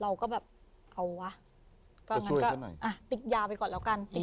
เราก็แบบเอาวะก็ช่วยกันหน่อยอ่ะติ๊กยาไปก่อนแล้วกันอืม